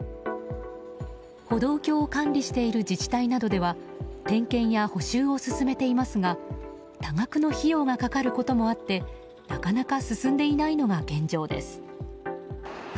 歩道橋を管理している自治体などでは点検や補修を進めていますが多額の費用が掛かることもあってなかなか進んでいないのが現状です。